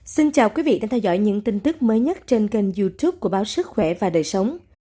xin chào quý vị đang theo dõi những tin tức mới nhất trên kênh youtube của báo sức khỏe và đời sống